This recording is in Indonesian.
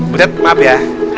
butet maaf ya